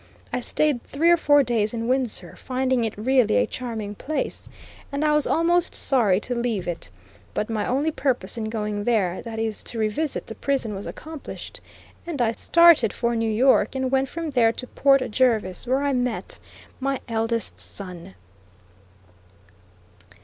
I stayed three or four days in Windsor, finding it really a charming place, and I was almost sorry to leave it. But my only purpose in going there, that is to revisit the prison, was accomplished, and I started for New York, and went from there to Port Jervis, where I met my eldest son.